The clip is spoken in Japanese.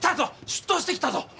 出頭してきたぞ！